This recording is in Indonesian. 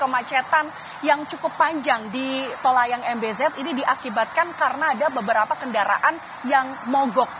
kemacetan yang cukup panjang di tol layang mbz ini diakibatkan karena ada beberapa kendaraan yang mogok